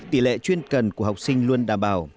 tỷ lệ chuyên cần của học sinh luôn đảm bảo